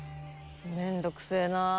めんどくせえなあ。